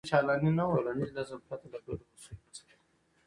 ټولنیز نظم پرته له ګډو اصولو نه ساتل کېږي.